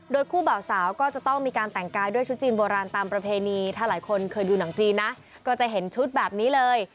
โดยคู่บ่าวสาวก็จะต้องมีการแต่งกายด้วยชุดจีนโบราณตามประเพณีถ้าหลายคนเคยดูหนังจีนนะก็จะเห็นชุดแบบนี้เลย